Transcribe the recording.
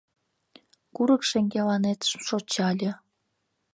Курык шеҥгеланет шочале: